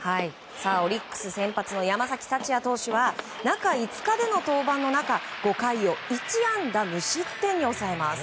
オリックス先発の山崎福也投手は中５日での登板の中５回を１安打無失点に抑えます。